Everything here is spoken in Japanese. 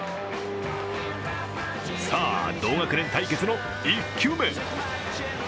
さあ、同学年対決の１球目。